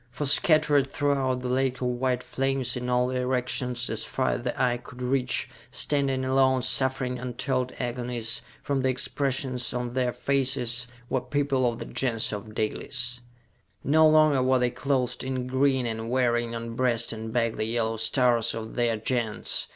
For, scattered throughout the lake of white flames, in all directions, as far as the eye could reach standing alone, suffering untold agonies, from the expressions on their faces were people of the Gens of Dalis! No longer were they clothed in green and wearing on breast and back the yellow stars of their Gens.